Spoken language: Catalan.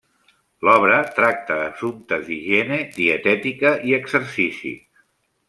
L'obra tracta assumptes d'higiene, dietètica i exercici.